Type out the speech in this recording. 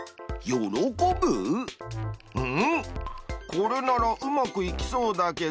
これならうまくいきそうだけど。